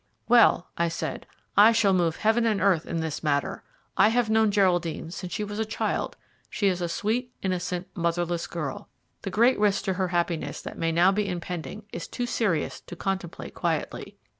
"Well," I said, "I shall move Heaven and earth in this matter. I have known Geraldine since she was a child. She is a sweet, innocent, motherless girl. The great risk to her happiness that may now be impending is too serious to contemplate quietly.